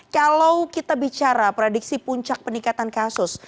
kalau kita bicara prediksi puncak peningkatan kasus